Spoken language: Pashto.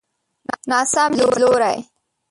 ناسم ليدلوری.